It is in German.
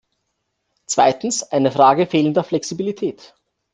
Zweitens, eine Frage fehlender Flexibilität.